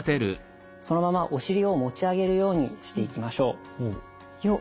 そのままお尻を持ち上げるようにしていきましょう。よ。